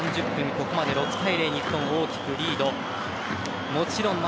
ここまで６対０日本、大きくリード。